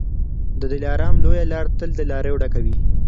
د دلارام لویه لاره تل له لاریو ډکه وي.